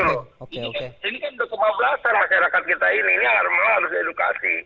ini kan untuk kemau belasan masyarakat kita ini ini harus edukasi